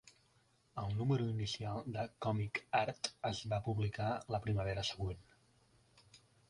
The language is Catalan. El número inicial de "Comic Art" es va publicar la primavera següent.